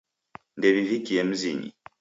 Ndew'ivikie mzinyi.